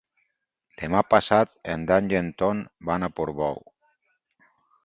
Demà passat en Dan i en Ton van a Portbou.